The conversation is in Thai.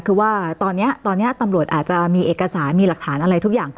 ถือว่าตอนนี้ตำลวจอาจจะมีเอกสารมีหลักฐาน